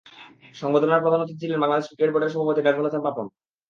সংবর্ধনায় প্রধান অতিথি ছিলেন বাংলাদেশ ক্রিকেট বোর্ডের সভাপতি নাজমুল হাসান পাপন।